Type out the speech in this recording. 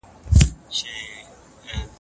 د ستونزو حل کول د ماشومانو د پلار لومړنی هدف دی.